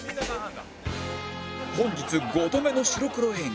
本日５度目の白黒映画